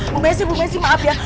bu besi bu besi maaf ya